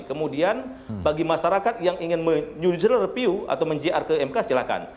kemudian bagi masyarakat yang ingin menjual review atau menjual ke mk silahkan